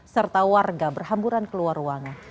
serta warga berhamburan keluar ruangan